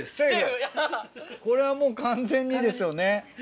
これはもう完全にですよね。